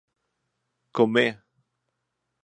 Kom med!